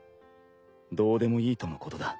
どうでもいいとのことだ。